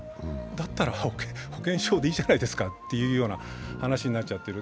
だったら保険証でいいじゃないですかという話になっちゃってる。